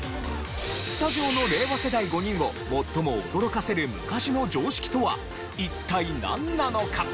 スタジオの令和世代５人を最も驚かせる昔の常識とは一体なんなのか？